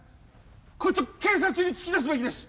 こいつを警察に突き出すべきです